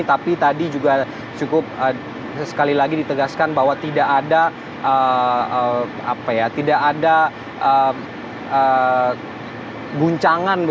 tapi tadi juga cukup sekali lagi ditegaskan bahwa tidak ada guncangan